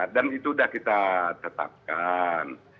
dan itu udah kita tetapkan